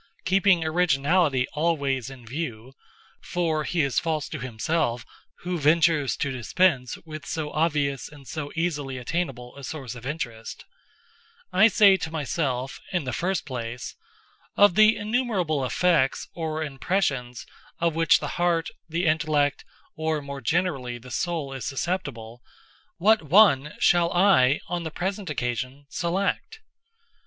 Keeping originality always in view—for he is false to himself who ventures to dispense with so obvious and so easily attainable a source of interest—I say to myself, in the first place, "Of the innumerable effects, or impressions, of which the heart, the intellect, or (more generally) the soul is susceptible, what one shall I, on the present occasion, select?"